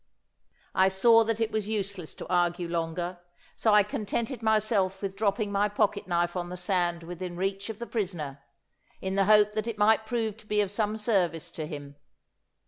I saw that it was useless to argue longer, so I contented myself with dropping my pocket knife on the sand within reach of the prisoner, in the hope that it might prove to be of some service to him.